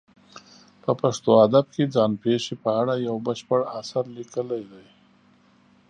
په پښتو ادب کې ځان پېښې په اړه یو بشپړ اثر لیکلی دی.